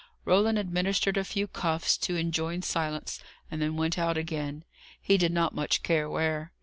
Roland administered a few cuffs, to enjoin silence, and then went out again, he did not much care where.